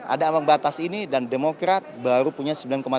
ada alang batas ini dan demokrat baru punya sembilan tiga puluh enam